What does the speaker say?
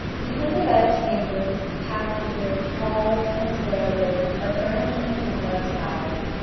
Even the bed chambers, passages, halls, and stairways are furnished in a similar style.